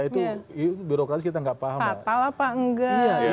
itu birokrasi kita nggak paham patah apa enggak